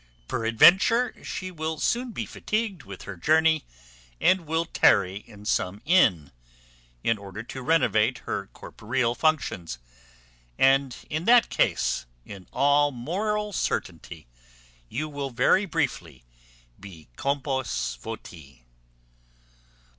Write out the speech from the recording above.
Peradventure she will soon be fatigated with her journey, and will tarry in some inn, in order to renovate her corporeal functions; and in that case, in all moral certainty, you will very briefly be compos voti."